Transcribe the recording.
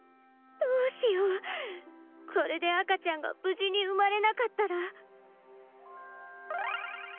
どうしようこれで赤ちゃんが無事に生まれなかったら。